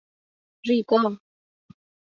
ریگا